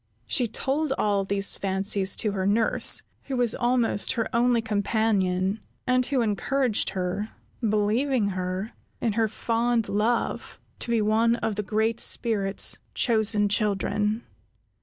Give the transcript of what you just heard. She told all these fancies to her nurse, who was almost her only companion, and who encouraged her, believing her, in her fond love, to be one of the Great Spirit's chosen children.